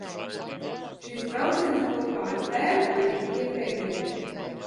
Šis brauciens kopā ar tēvu arī bija pēdējais.